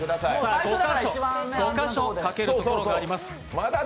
５か所かけるところがあります。